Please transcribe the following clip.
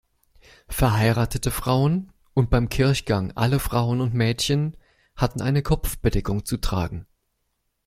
Verheiratete Frauen, und beim Kirchgang alle Frauen und Mädchen, hatten eine Kopfbedeckung zu tragen.